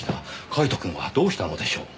カイトくんはどうしたのでしょう？